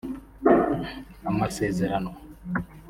amasezerano